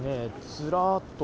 ずらっと。